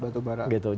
batubara gitu jadi